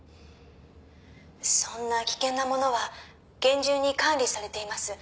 「そんな危険なものは厳重に管理されています」